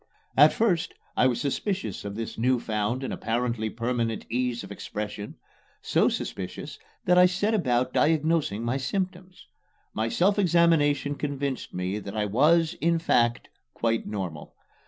At first I was suspicious of this new found and apparently permanent ease of expression so suspicious that I set about diagnosing my symptoms. My self examination convinced me that I was, in fact, quite normal.